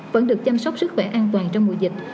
vẫn được chăm sóc sức khỏe an toàn trong mùa dịch